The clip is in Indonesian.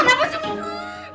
aduh aduh aduh